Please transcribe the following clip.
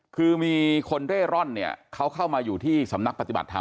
คือมีคนเร่ร่อนเนี่ยเขาเข้ามาอยู่ที่สำนักปฏิบัติธรรม